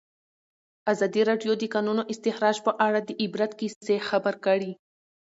ازادي راډیو د د کانونو استخراج په اړه د عبرت کیسې خبر کړي.